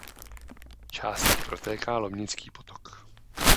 Částí protéká Lomnický potok.